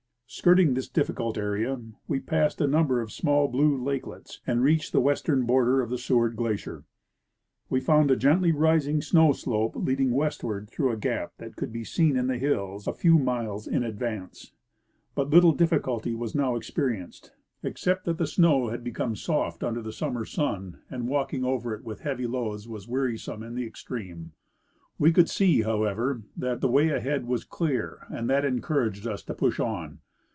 Skirting this difficult area, Ave passed a number of small blue lakelets and reached the western border of the ScAA^ard glacier. We found a gently rising snoAV slope leading AvestAvard through a gap that could be seen in hills a fcAV miles in aclA^ance. But little difficulty was noAV experienced, except that the snoAV Forniation of S'jiotv Crests. 143 had become soft under the summer's sun, and walking over it with heavy loads was wearisome in the extreme. We could see, however, that the way ahead was clear, and that encouraged us to push on.